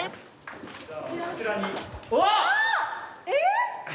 えっ？